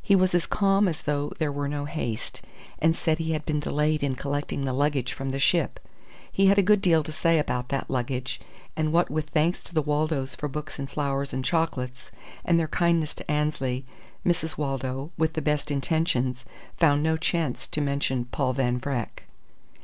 He was as calm as though there were no haste, and said he had been delayed in collecting the luggage from the ship. He had a good deal to say about that luggage; and what with thanks to the Waldos for books and flowers and chocolates, and their kindness to Annesley, Mrs. Waldo (with the best intentions) found no chance to mention Paul Van Vreck.